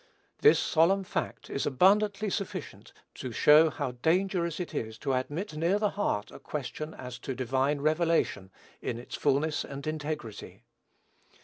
This solemn fact is abundantly sufficient to show how dangerous it is to admit near the heart a question as to divine revelation, in its fulness and integrity.